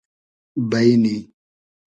بݷنی